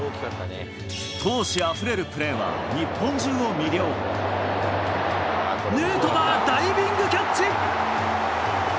闘志あふれるプレーは、ヌートバー、ダイビングキャッチ。